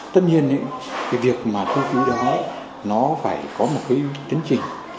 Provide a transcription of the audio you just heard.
tất nhiên cái việc mà thu phí đó nó phải có một cái tính trình